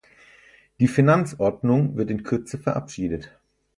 Die Finanzordnung wird in Kürze verabschiedet.